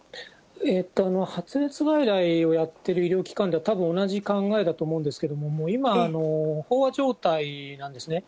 発熱外来をやってる医療機関ではたぶん、同じ考えだと思うんですけど、今、飽和状態なんですね。